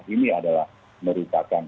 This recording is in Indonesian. ini adalah merupakan